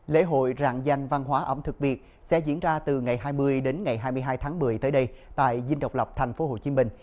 lễ hội rạng danh văn hóa ấn thực việt sẽ diễn ra từ ngày hai mươi đến ngày hai mươi hai tháng một mươi tới đây tại dinh độc lập tp hcm